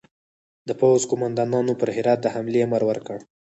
د پوځ قوماندانانو پر هرات د حملې امر ورکړ.